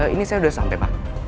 ini saya udah sampe pak